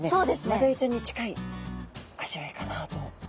マダイちゃんに近い味わいかなと。